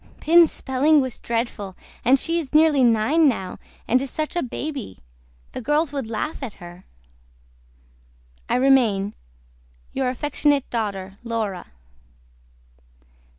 PINS SPELLING WAS DREADFULL AND SHE IS NEARLY NINE NOW AND IS SUCH A BABY THE GIRLS WOULD LAUGH AT HER. I REMAIN YOUR AFECTIONATE DAUGHTER LAURA.